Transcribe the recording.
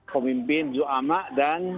pemimpin juhama dan